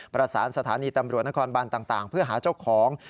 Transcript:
ประสานสถานีตำรวจนครบันต่างเพื่อหาเจ้าของ